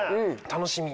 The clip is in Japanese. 楽しみ。